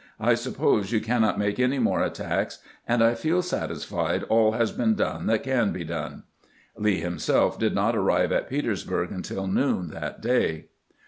I suppose you cannot make any more attacks, and I feel satisfied all has been done that can be done." Lee himself did not arrive at Petersburg until noon that day.